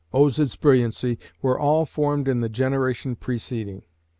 owes its brilliancy were all formed in the generation preceding.